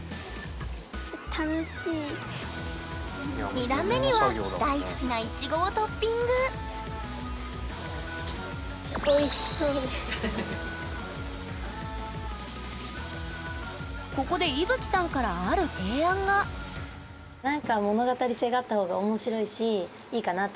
２段目には大好きなイチゴをトッピングここでいぶきさんからある提案がどうする？